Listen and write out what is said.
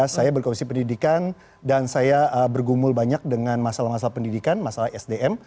saya berkomisi pendidikan dan saya bergumul banyak dengan masalah masalah pendidikan masalah sdm